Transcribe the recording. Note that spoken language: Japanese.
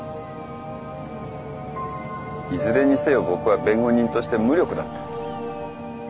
いずれにせよ僕は弁護人として無力だった。